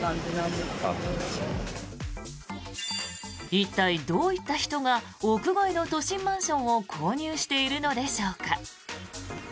一体、どういった人が億超えの都心マンションを購入しているのでしょうか。